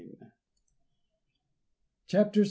CHAPTER VI.